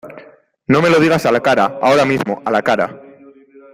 no me lo digas a la cara. ahora mismo, a la cara .